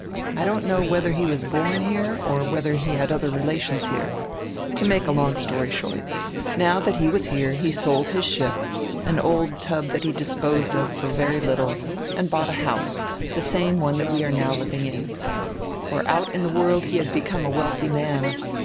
I don't know whether he was born here or whether he had other relations here. To make a long story short, now that he was here he sold his ship, an old tub that he disposed of for very little, and bought a house, the same that we are now living in. For out in tire world he had become a wealthy man.